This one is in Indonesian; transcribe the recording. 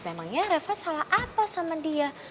memangnya reva salah apa sama dia